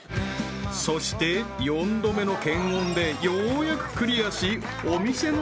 ［そして四度目の検温でようやくクリアしお店の中へ］